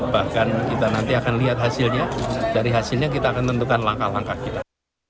dan kita nanti akan lihat hasilnya dari hasilnya kita akan tentukan langkah langkah kita